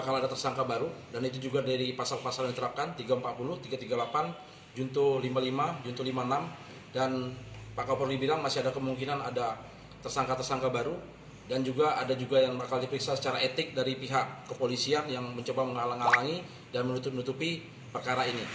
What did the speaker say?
langkah langkah hukum yang akan ditempuh